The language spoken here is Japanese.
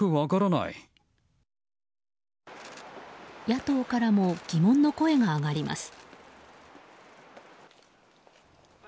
野党からも疑問の声が上がります。